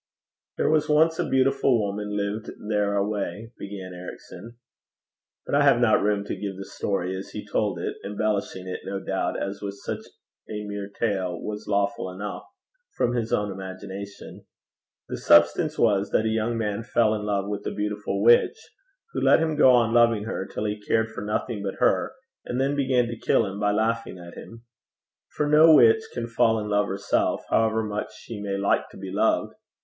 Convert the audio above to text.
'There was once a beautiful woman lived there away,' began Ericson. But I have not room to give the story as he told it, embellishing it, no doubt, as with such a mere tale was lawful enough, from his own imagination. The substance was that a young man fell in love with a beautiful witch, who let him go on loving her till he cared for nothing but her, and then began to kill him by laughing at him. For no witch can fall in love herself, however much she may like to be loved.